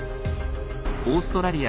オーストラリア